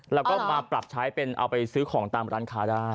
แล้วก็มาปรับใช้เป็นเอาไปซื้อของตามร้านค้าได้